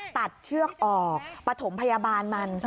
เชือกออกปฐมพยาบาลมัน